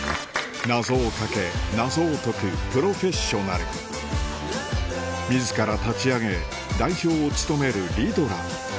謎をかけ謎を解くプロフェッショナル自ら立ち上げ代表を務めるＲＩＤＤＬＥＲ